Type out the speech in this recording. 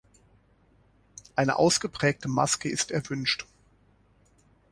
Eine ausgeprägte Maske ist erwünscht.